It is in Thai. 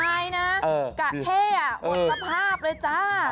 อายนะกะเท่อ่ะอดภาพเลยจ้า